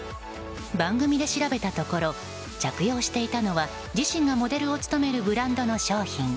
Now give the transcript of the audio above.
番組で調べたところ着用していたのは自身がモデルを務めるブランドの商品。